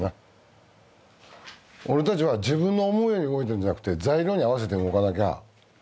俺たちは自分の思いで動いてるんじゃなくて材料に合わせて動かなきゃ。